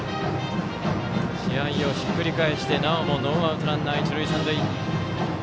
試合をひっくり返してなおもノーアウトランナー、一塁三塁。